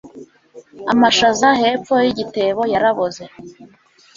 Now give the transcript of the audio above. amashaza hepfo yigitebo yaraboze